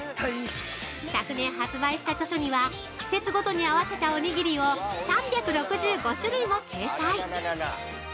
昨年発売した著書には季節ごとに合わせたおにぎりを３６５種類も掲載。